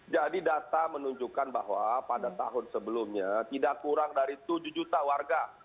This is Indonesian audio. jadi data menunjukkan bahwa pada tahun sebelumnya tidak kurang dari tujuh juta warga